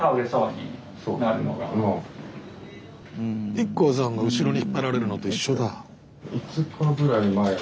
ＩＫＫＯさんが後ろに引っ張られるのと一緒だ。